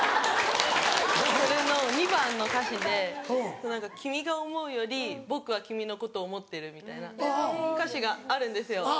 それの２番の歌詞で君が思うより僕は君のことを思ってるみたいな歌詞があるんですよ。